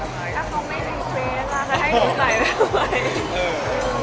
ถ้าเขาไม่รีเฟสนะคะจะให้ใส่ด้วย